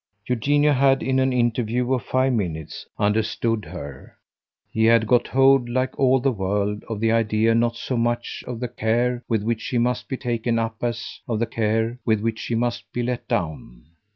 Eugenio had, in an interview of five minutes, understood her, had got hold, like all the world, of the idea not so much of the care with which she must be taken up as of the care with which she must be let down.